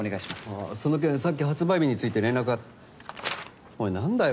あぁその件さっき発売日について連絡がおい何だよ